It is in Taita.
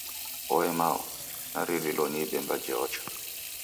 Oe mao, naririlo ni ibemba jeocha!